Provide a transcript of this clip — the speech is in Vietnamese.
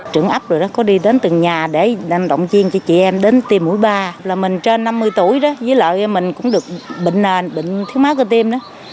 trưởng ấp có đi đến từ nhà để đồng chiên cho chị em đến tiêm mũi ba mình trên năm mươi tuổi với lợi mình cũng được bệnh thiếu má cơ tiêm